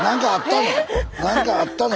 何かあったの？